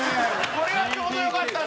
これがちょうどよかったの。